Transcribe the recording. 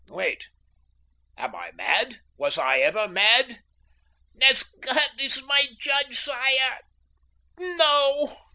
"Wait! Am I mad? Was I ever mad?" "As God is my judge, sire, no!"